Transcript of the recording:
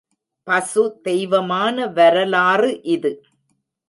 பசு தெய்வமான வரலாறு இது.